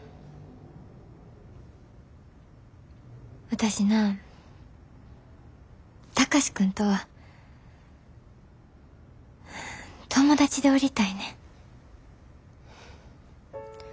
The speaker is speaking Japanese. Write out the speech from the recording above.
私な貴司君とは友達でおりたいねん。何で？